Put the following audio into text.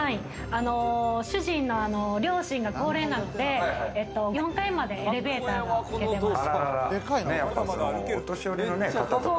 主人の両親が高齢なので、４階までエレベーターをつけてます。